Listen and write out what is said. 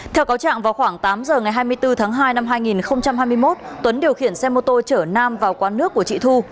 theo cáo trạng vào khoảng tám giờ ngày hai mươi bốn tháng hai năm hai nghìn hai mươi một tuấn điều khiển xe mô tô chở nam vào quán nước của chị thu